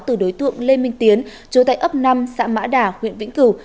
từ đối tượng lê minh tiến chú tại ấp năm xã mã đà huyện vĩnh cửu